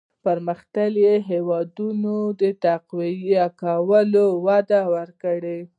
پرمختلليو هېوادونو تقويه کولو وده ورکړه.